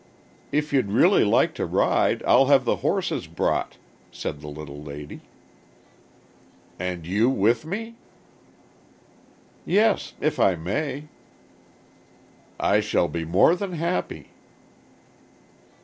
"If you'd really like to ride, I'll have the horses brought," said the little lady. "And you with me?" "Yes, if I may." "I shall be more than happy."